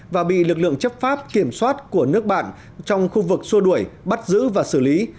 và bị lực lượng chấp pháp kiểm soát của nước bạn trong khu vực xua đuổi bắt giữ và xử lý